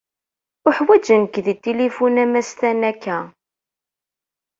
Uḥwaǧen-k di tilifun a mass Tanaka.